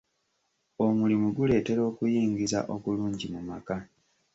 Omulimu guleetera okuyingiza okulungi mu maka.